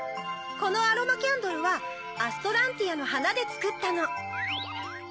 このアロマキャンドルはアストランティアのはなでつくったの。